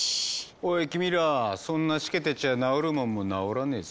おい君らそんなしけてちゃ治るもんも治らねえぞ。